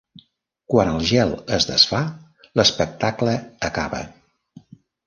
Quan el gel es desfà, l'espectacle acaba.